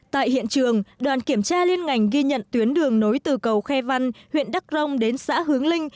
tại hiện trường đoàn kiểm tra liên ngành ghi nhận tuyến đường nối từ cầu khe văn huyện đắc rông đến xã hướng linh